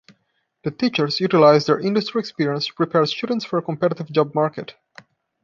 The teachers utilize their industry experience to prepare students for a competitive job market.